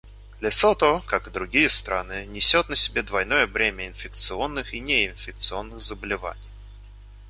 Лесото, как и другие страны, несет на себе двойное бремя инфекционных и неинфекционных заболеваний.